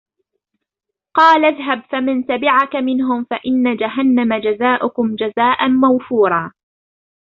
قال اذهب فمن تبعك منهم فإن جهنم جزاؤكم جزاء موفورا